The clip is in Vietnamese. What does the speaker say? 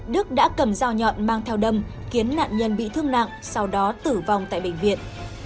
đức đã cầm dao nhọn mang theo đâm khiến nạn nhân bị thương nặng sau đó tử vong tại bệnh viện